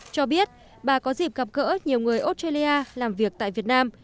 cho biết bà có dịp gặp gỡ nhiều người australia làm việc tại việt nam